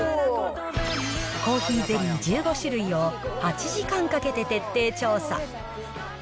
コーヒーゼリー１５種類を８時間かけて徹底調査。